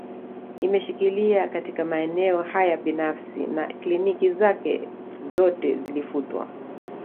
Imeshikilia katika maeneo haya binafsi na kliniki zake zpote zilifutwa